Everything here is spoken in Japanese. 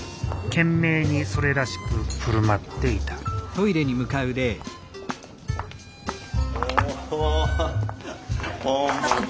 懸命にそれらしく振る舞っていたおポンポン。